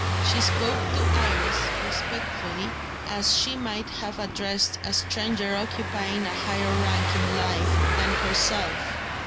She spoke to Iris respectfully, as she might have addressed a stranger occupying a higher rank in life than herself.